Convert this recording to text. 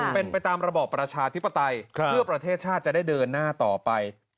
เป็นไปตามระบอบประชาธิปไตยเพื่อประเทศชาติจะได้เดินหน้าต่อไป